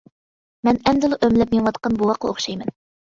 مەن ئەمدىلا ئۆمىلەپ مېڭىۋاتقان بوۋاققا ئوخشايمەن.